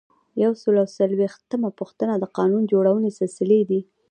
یو سل او څلویښتمه پوښتنه د قانون جوړونې سلسلې دي.